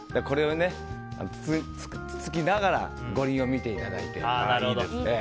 これを作りながら五輪を見ていただいて。